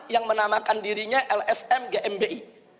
yang menamakan dirinya lsm gmbi